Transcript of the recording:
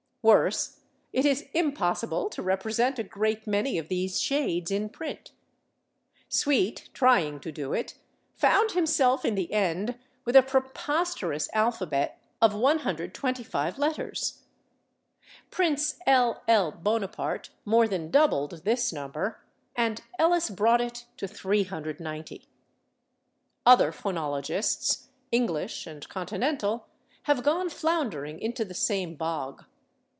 Worse, it is impossible to represent a great many of these shades in print. Sweet, trying to do it, found himself, in the end, with a preposterous alphabet of 125 letters. Prince L. L. Bonaparte more than doubled this number, and Ellis brought it to 390. Other phonologists, English and Continental, have gone floundering into the same bog.